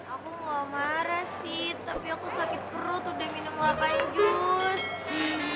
aku gak marah sih tapi aku sakit perut udah minum delapan jus